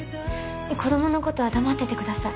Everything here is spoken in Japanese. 子供のことは黙っててください